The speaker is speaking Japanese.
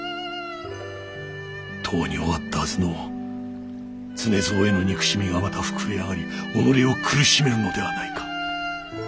とうに終わったはずの常蔵への憎しみがまた膨れ上がり己を苦しめるのではないか。